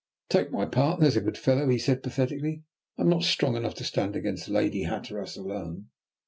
"Take my part, there's a good fellow," he said pathetically. "I am not strong enough to stand against Lady Hatteras alone."